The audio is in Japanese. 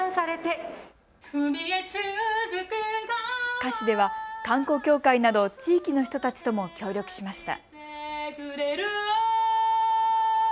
歌詞では観光協会など地域の人たちとも協力しました。